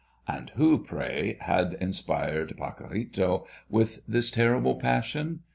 And who, pray, had inspired Pacorrito with this terrible passion?